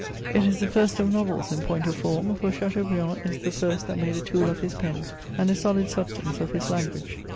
It is the first of novels in point of form ; for Chateaubriand is the first that made a tool of his pen, and a solid substance of his language.